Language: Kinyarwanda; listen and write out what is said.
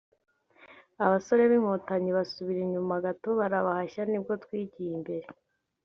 abasore b’Inkotanyi basubira inyuma gato barabahashya nibwo twigiye imbere